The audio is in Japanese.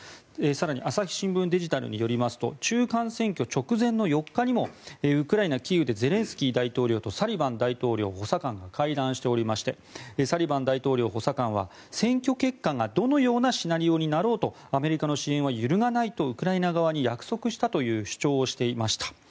更に朝日新聞デジタルによりますと中間選挙直前の４日にもウクライナ・キーウでゼレンスキー大統領とサリバン大統領補佐官が会談しておりましてサリバン大統領補佐官は選挙結果がどのようなシナリオになろうとアメリカの支援は揺るがないとウクライナ側に約束したという主張をしていました。